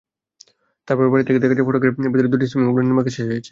তারপরও বাইরে থেকে দেখা যায়, ফটকের ভেতরে দুটি সুইমিংপুলের নির্মাণকাজ শেষ হয়েছে।